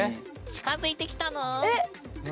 近づいてきた？